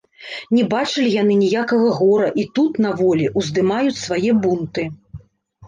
Не бачылі яны ніякага гора і тут, на волі, уздымаюць свае бунты.